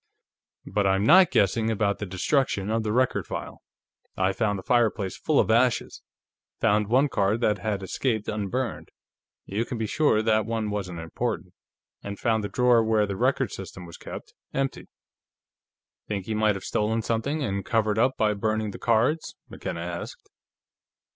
But I am not guessing about the destruction of the record file; I found the fireplace full of ashes, found one card that had escaped unburned you can be sure that one wasn't important and found the drawer where the record system was kept empty." "Think he might have stolen something, and covered up by burning the cards?" McKenna asked.